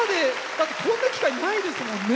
だってこんな機会ないですもんね。